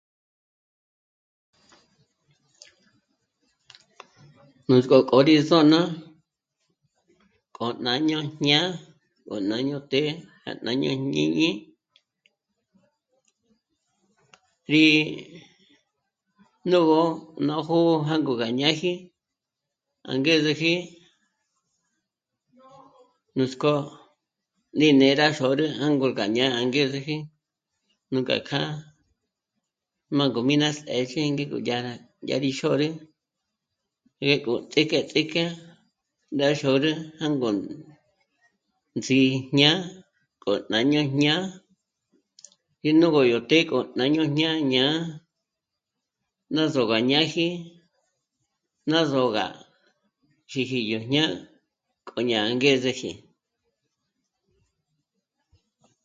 Nuzgó k'o rí s'ô'n'a k'o 'náño jñá'a, gó 'náño të́'ë, à 'náño ñǐñi, rí nú'u nójo jângo gá jñáji angezeji nuts'k'ó rí né'e rá xôrü jângo gá jñá'a angezeji nuk'a kjâ'a má gó mí ná së̌zhi ngék'o dyá rá dyá rí xôrü ngék'o ts'íjk'e, ts'íjk'e rá xôrü jângon... ts'i jñá'a k'o 'náño jñá'a ngéjnu gó yó të́'ë, k'o 'náño ñá'a jñá'a, ná zògü gá ñáji, ná zògü xíji yó jñá'a, k'o ñá'a angezeji